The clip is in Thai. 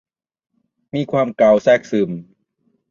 มีความเกาแทรกซึม